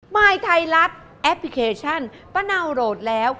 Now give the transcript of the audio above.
มายไทยรัฐแอปพลิเคชันป้าเนาโหลดแล้ว